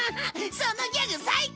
そのギャグ最高！